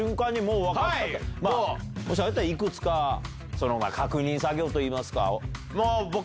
あれだったらいくつか確認作業といいますか。